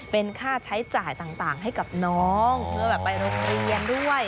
เป็นค่าใช้จ่ายต่างให้กับน้องเพื่อแบบไปโรงเรียนด้วย